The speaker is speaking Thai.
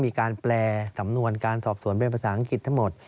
มีการแปลสำนวนการสอบสวนเป็นภาษาอังกฤษทั้งหมด